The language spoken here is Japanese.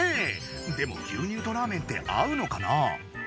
でも牛乳とラーメンって合うのかな？